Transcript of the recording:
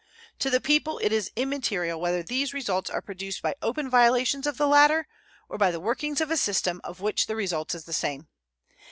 To the people it is immaterial whether these results are produced by open violations of the latter or by the workings of a system of which the result is the same.